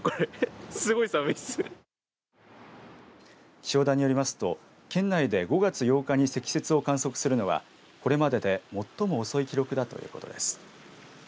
気象台によりますと、県内で５月８日に積雪を観測するのはこれまでで最も遅い記録だということです。